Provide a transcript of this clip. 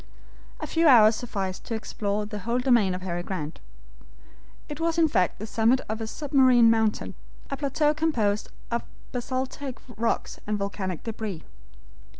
A few hours sufficed to explore the whole domain of Harry Grant. It was in fact the summit of a submarine mountain, a plateau composed of basaltic rocks and volcanic DEBRIS.